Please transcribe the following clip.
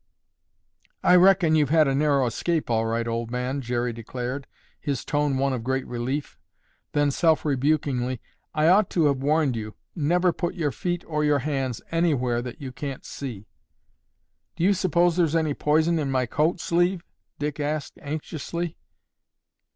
"I reckon you've had a narrow escape all right, old man," Jerry declared, his tone one of great relief. Then, self rebukingly, "I ought to have warned you. Never put your feet or your hands anywhere that you can't see." "Do you suppose there's any poison in my coat sleeve?" Dick asked anxiously.